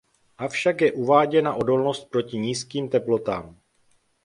Avšak je uváděna odolnost proti nízkým teplotám.